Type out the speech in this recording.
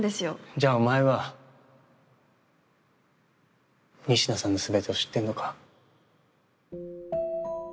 じゃあお仁科さんの全てを知ってるのか？